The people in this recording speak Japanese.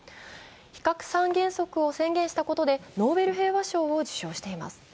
非核三原則を宣言したことでノーベル平和賞を受賞しています。